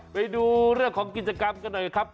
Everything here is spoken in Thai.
ไปดูเรื่องของกิจกรรมกันหน่อยครับ